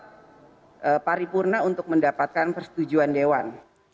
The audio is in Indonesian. dan kami akan berhasil mencari ujian yang lebih paripurna untuk mendapatkan persetujuan dewan